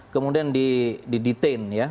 kemudian di detain ya